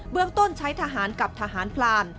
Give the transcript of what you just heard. เมืองต้นใช้ทหารกับทหารพลาน